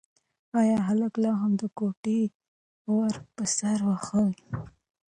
ایا هلک لا هم د کوټې ور په سر وهي؟